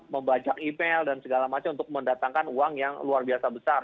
membaca email dan segala macam untuk mendatangkan uang yang luar biasa besar